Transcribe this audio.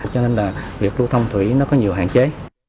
cho nên việc lưu thông thủy có nhiều hạn chế